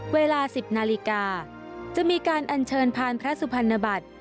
เวลา๑๐นาฬิกาจะมีการอัญเชิญพานพระสุพรรณบัตร